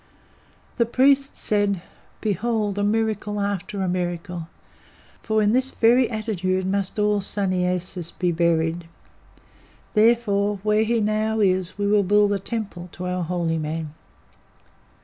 The priest said: "Behold a miracle after a miracle, for in this very attitude must all Sunnyasis be buried! Therefore where he now is we will build the temple to our holy man."